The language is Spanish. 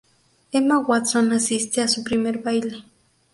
Emma Watson asiste a su primer baile.